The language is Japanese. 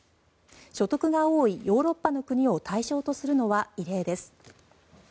所得が多いヨーロッパの国を対象とするのは異例です。